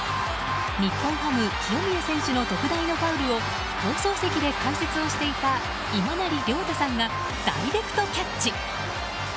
日本ハム清宮選手の特大のファウルを放送席で解説をしていた今成亮太さんがダイレクトキャッチ！